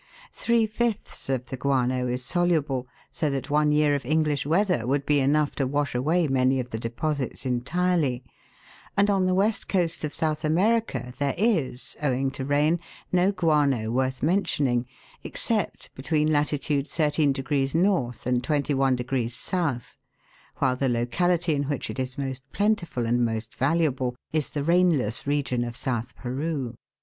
Three fifths of the guano is soluble, 254 THE WORLD'S LUMBER ROOM. so that one year of English weather would be enough to wash away many of the deposits entirely ; and on the west coast of South America there is owing to rain no guano worth mentioning, except between latitude 13 N. and 21 S., while the locality in which it is most plentiful and most valuable is the rainless region of South Peru.